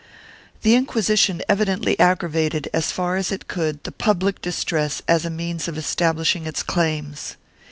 3 The Inquisition evidently aggravated as far as it could the public distress as a means of establishing its claims.